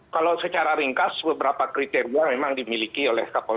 kalau secara ringkas beberapa kriteria memang dimiliki oleh kapolri